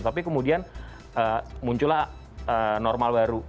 tapi kemudian muncullah normal baru